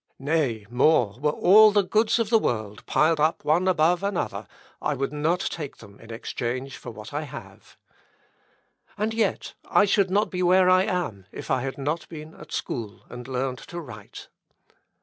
Nay, more, were all the goods of the world piled up one above another, I would not take them in exchange for what I have. And yet, I should not be where I am, if I had not been at school and learned to write."